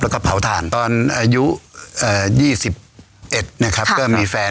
แล้วก็เผาถ่านตอนอายุ๒๑นะครับก็มีแฟน